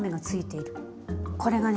これがね